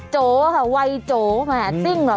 โจ๋ค่ะวัยโจ๋มาติ้งออกตัว